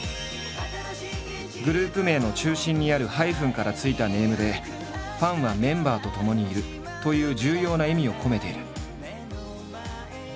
グループ名の中心にあるハイフンから付いたネームで「ファンはメンバーとともにいる」という重要な意味を込めている。